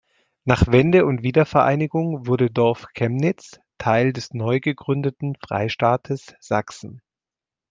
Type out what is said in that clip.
Nach Wende und Wiedervereinigung wurde Dorfchemnitz Teil des neugegründeten Freistaates Sachsen.